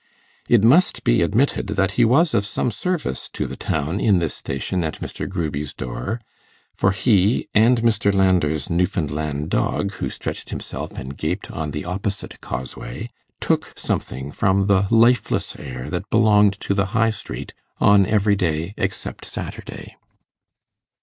It must be admitted that he was of some service to the town in this station at Mr. Gruby's door, for he and Mr. Landor's Newfoundland dog, who stretched himself and gaped on the opposite causeway, took something from the lifeless air that belonged to the High Street on every day except Saturday.